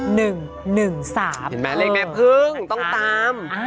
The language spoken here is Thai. เห็นไหมเลขแม่พึ่งต้องตาม